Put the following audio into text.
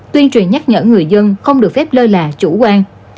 tuyên truyền nhắc nhở người dân không được phép lơ là chủ quan